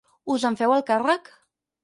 ¿Us en feu el càrrec?